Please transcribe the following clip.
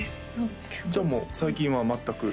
じゃあもう最近は全く？